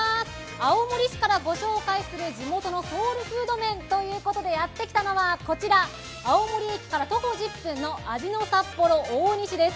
青森市からご紹介する地元のソウルフード麺としてやってきたのは、こちら、青森駅から徒歩１０分の味の札幌大西です。